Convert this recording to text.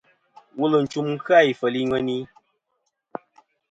Wul ncum kɨ-a ifel i ŋweni.